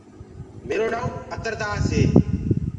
ميرو نآئونٚ اتر داس هي.